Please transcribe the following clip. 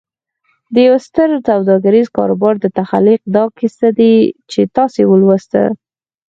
د يوه ستر سوداګريز کاروبار د تخليق دا کيسه چې تاسې ولوسته.